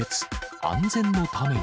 安全のために。